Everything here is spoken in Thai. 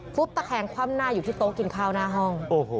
ตะแคงคว่ำหน้าอยู่ที่โต๊ะกินข้าวหน้าห้อง